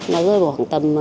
nó rơi vào khoảng tầm